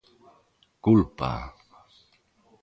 "Culpa."